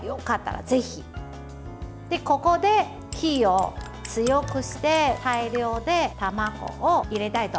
ここで火を強くして対流で卵を入れたいと思います。